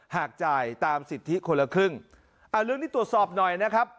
หากจ่ายตามสิทธิคนละครึ่งอ่าเรื่องนี้ตรวจสอบหน่อยนะครับ